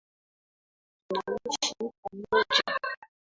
Tunaishi pamoja.